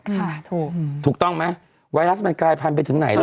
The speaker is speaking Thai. ถูกถูกต้องไหมไวรัสมันกลายพันธุไปถึงไหนแล้ว